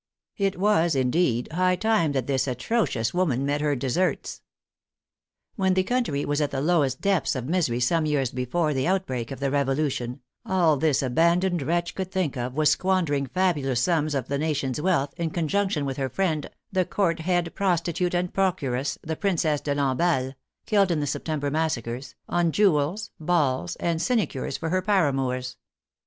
It was, indeed, high time that this atrocious woman met her de serts. When the country was at the lowest depths of misery some years before the outbreak of the Revolution, all this abandoned wretch could think of was squandering fabulous sums of the nation's wealth, in conjunction with 76 THE TERROR 77 her friend, the Court head prostitute and procuress, the Princess de Lamballe (killed in the September massa cres), on jewels, balls, and sinecures for her paramours.